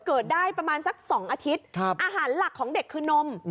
เกิดได้ประมาณสัก๒อาทิตย์อาหารหลักของเด็กคือนม